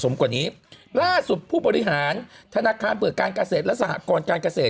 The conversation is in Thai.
สมกว่านี้ล่าสุดผู้บริหารธนาคารเปิดการกาเสตและสหกรณ์การกาเสต